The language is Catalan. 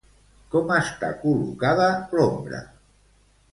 Com està col·locada l'ombra?